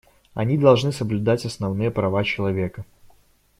Они должны соблюдать основные права человека.